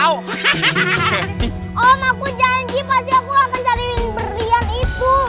om aku janji pasti aku akan cari belian itu